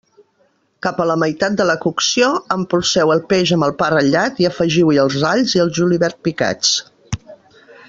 Cap a la meitat de la cocció, empolseu el peix amb el pa ratllat i afegiu-hi els alls i el julivert picats.